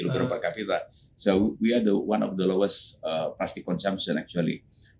jadi kita adalah salah satu konsumsi plastik yang paling rendah sebenarnya